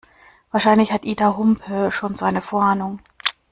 Wahrscheinlich hat Ida Humpe schon so eine Vorahnung.